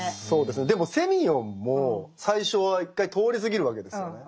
でもセミヨンも最初は一回通り過ぎるわけですよね。